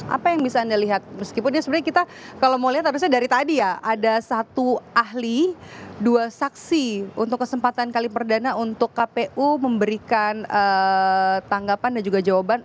apa yang bisa anda lihat meskipun ya sebenarnya kita kalau mau lihat harusnya dari tadi ya ada satu ahli dua saksi untuk kesempatan kali perdana untuk kpu memberikan tanggapan dan juga jawaban